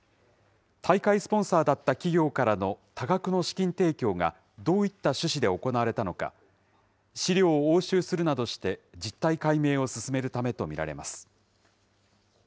大会スポンサーだった企業からの多額の資金提供が、どういった趣旨で行われたのか、資料を押収するなどして、実態解明を進めるためと見られます。